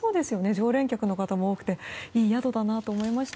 常連客の方も多くていい宿だなと思いました。